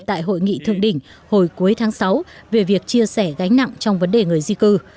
tại hội nghị thượng đỉnh hồi cuối tháng sáu về việc chia sẻ gánh nặng trong vấn đề người di cư